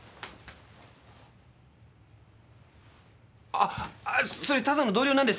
あっそれただの同僚なんです！